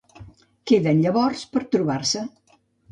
Queden llavors per trobar-se.